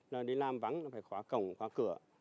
là đi làm vắng là phải khóa cổng khóa cửa